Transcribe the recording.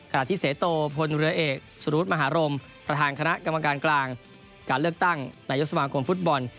ขณะที่เสโตพลเรือเอกสุรวุฒิมหารมประธานคณะกรรมการกลางการเลือกตั้งนายกสมาคมฟุตบอล